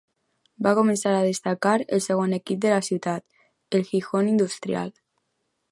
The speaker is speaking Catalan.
Va començar a destacar al segon equip de la ciutat, el Gijón Industrial.